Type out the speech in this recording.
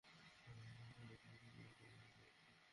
তুমি কি তাই ভাবছো যা আমি ভাবছি?